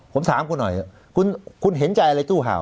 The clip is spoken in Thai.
ผมถามคุณหน่อยคุณเห็นใจอะไรตู้เห่า